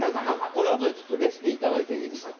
これ、あとでレシピいただいていいですか？